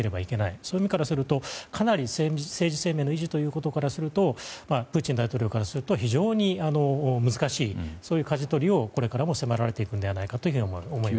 そういう意味ではかなり、政治生命の維持ということからするとプーチン大統領からすると非常に難しいかじ取りをこれからも迫られていくのではと思います。